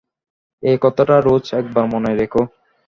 এ কথাটা রোজ একবার মনে রেখো।